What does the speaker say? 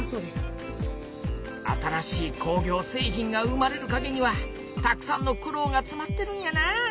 新しい工業製品が生まれるかげにはたくさんの苦労がつまってるんやな。